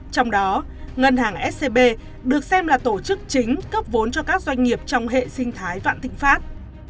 trong đó ngân hàng scb được xem là tổ chức chính cấp vốn cho các doanh nghiệp trong hệ sinh thái vạn thịnh pháp